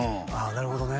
なるほどね